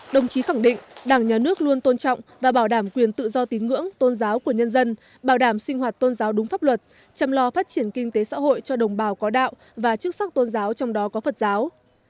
đồng chí khẳng định đảng nhà nước luôn tôn trọng và bảo đảm quyền tự do tín ngưỡng tôn giáo của nhân dân bảo đảm sinh hoạt tôn giáo đúng pháp luật chăm lo phát triển kinh tế xã hội cho đồng bào có đạo và chức sắc tôn giáo trong đó có phật giáo